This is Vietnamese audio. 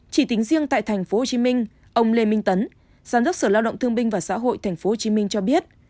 chỉ tính riêng tại tp hcm ông lê minh tấn giám đốc sở lao động thương binh và xã hội tp hcm cho biết